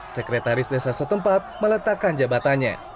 sekretaris desa setempat meletakkan jabatannya